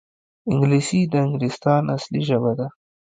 انګلیسي د انګلستان اصلي ژبه ده